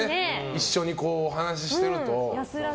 一緒にお話してると。